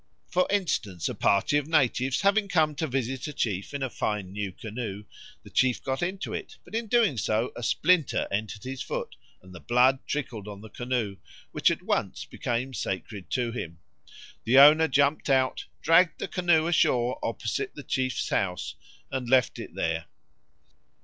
For instance, a party of natives having come to visit a chief in a fine new canoe, the chief got into it, but in doing so a splinter entered his foot, and the blood trickled on the canoe, which at once became sacred to him. The owner jumped out, dragged the canoe ashore opposite the chief's house, and left it there.